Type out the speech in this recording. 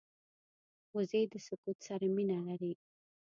وزې د سکوت سره مینه لري